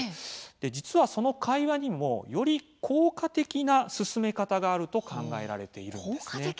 実は、その会話にもより効果的な進め方があると考えられているんです。